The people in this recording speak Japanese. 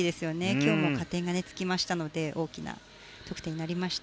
今日も加点がつきましたので大きな得点になりました。